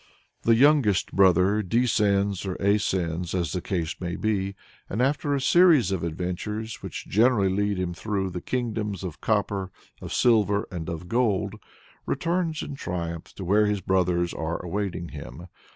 The youngest brother descends or ascends as the case may be, and after a series of adventures which generally lead him through the kingdoms of copper, of silver, and of gold, returns in triumph to where his brothers are awaiting him.